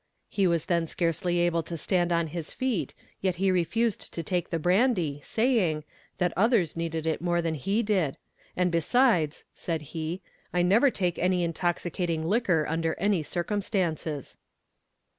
He was then scarcely able to stand on his feet, yet he refused to take the brandy, saying, "that others needed it more than he did; and besides," said he, "I never take any intoxicating liquor under any circumstances."